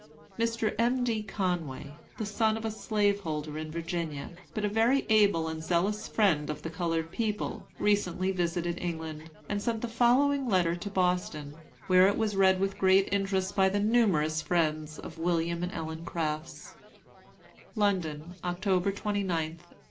Mr. M. D. Conway, the son of a slaveholder in Virginia, but a very able and zealous friend of the colored people, recently visited England, and sent the following letter to Boston, where it was read with great interest by the numerous friends of William and Ellen Crafts: "LONDON, October 29th, 1864.